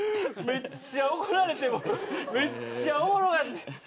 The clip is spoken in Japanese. めっちゃ怒られてめっちゃおもろかって。